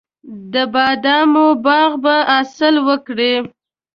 د بادامو باغ به حاصل وکړي.